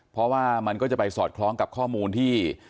เพราะว่ามันก็จะไปสอดคล้องกับข้อมูลที่